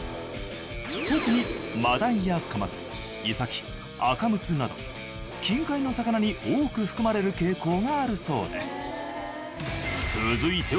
特にマダイやカマスイサキアカムツなど近海の魚に多く含まれる傾向があるそうです